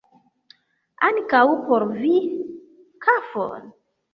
Ankaŭ por vi kafon?